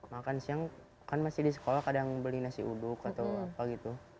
makan siang kan masih di sekolah kadang beli nasi uduk atau apa gitu